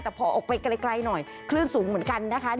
แต่พอออกไปไกลหน่อยคลื่นสูงเหมือนกันนะคะ